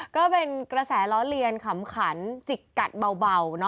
ก็เป็นกระแสล้อเลียนขำขันจิกกัดเบา